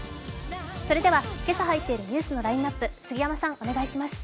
それでは、今朝入っているニュースのラインナップ、杉山さん、お願いします。